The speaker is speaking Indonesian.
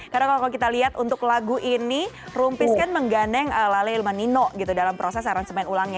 karena kalau kita lihat untuk lagu ini rumpis kan menggandeng lale ilman nino gitu dalam proses aransemen ulangnya